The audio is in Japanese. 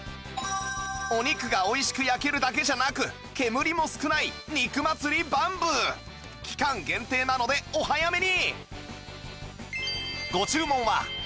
お肉が美味しく焼けるだけじゃなく煙も少ない肉祭りバンブー期間限定なのでお早めに！